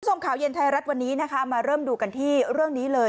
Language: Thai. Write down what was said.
ข่าวเย็นไทยรัฐวันนี้นะคะมาเริ่มดูกันที่เรื่องนี้เลย